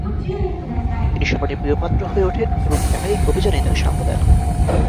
তিনি সম্রাটের প্রিয়পাত্র হয়ে ওঠেন এবং একাধিক অভিযানে তাকে সঙ্গ দেন।